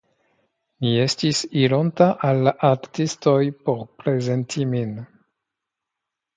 Mi estis ironta al la artistoj por prezenti min.